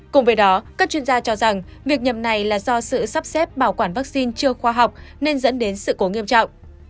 cùng với đó các chuyên gia cho rằng việc nhầm này là do sự sắp xếp bảo quản vaccine chưa khoa học nên dẫn đến sự cố nghiêm trọng